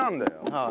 はい。